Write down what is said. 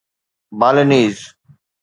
Balinese